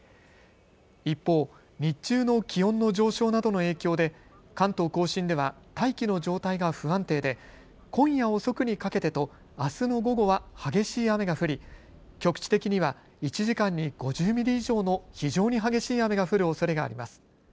一方、日中の気温の上昇などの影響で関東甲信では大気の状態が不安定で今夜遅くにかけてとあすの午後は激しい雨が降り、局地的には１時間に５０ミリ以上の非常に激しい雨が降るおそれがあります。